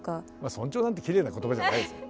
尊重なんてきれいな言葉じゃないですよ。